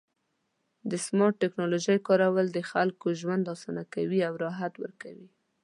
د سمارټ ټکنالوژۍ کارول د خلکو ژوند اسانه کوي او راحت ورکوي.